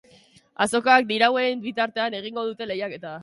Azokak dirauen bitartean egingo dute lehiaketa.